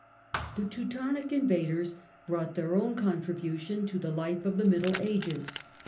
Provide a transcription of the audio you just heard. The Teutonic invaders brought their own contribution Teutonic to the life of the Middle Ages.